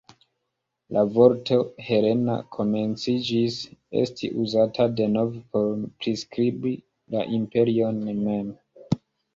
La vorto "Helena" komenciĝis esti uzata denove por priskribi la imperion mem.